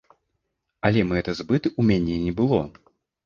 Але мэты збыту ў мяне не было.